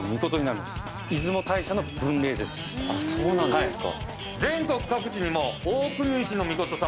そうなんですか。